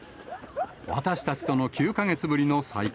私たちとの９か月ぶりの再会。